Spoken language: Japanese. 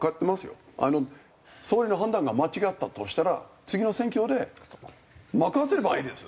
総理の判断が間違ったとしたら次の選挙で負かせばいいです。